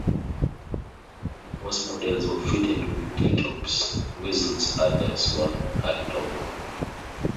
Most models were fitted with T-Tops, whilst others were hardtop.